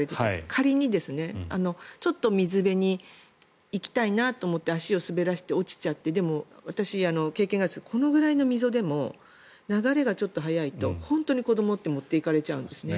仮に、ちょっと水辺に行きたいなと思って足を滑らせて落ちちゃってでも、私、経験があるんですけどこのぐらいの溝でも流れがちょっと速いと本当に子どもって持っていかれちゃうんですね。